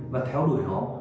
và theo đuổi họ